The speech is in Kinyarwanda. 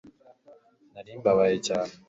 Nari mbabaye cyane